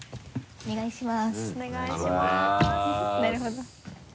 お願いします。